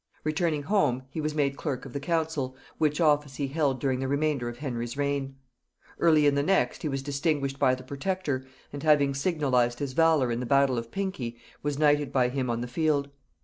Returning home, he was made clerk of the council, which office he held during the remainder of Henry's reign. Early in the next he was distinguished by the protector, and, having signalized his valor in the battle of Pinkey, was knighted by him on the field.